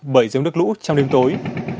bởi giống đất lũ trong đêm tối